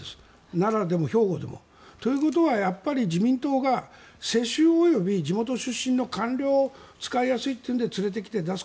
奈良でも兵庫でも。ということはやっぱり自民党が世襲及び地元出身の官僚を使いやすいというので連れてきて出す